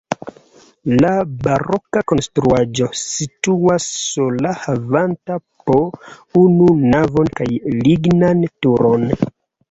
La baroka konstruaĵo situas sola havanta po unu navon kaj lignan turon.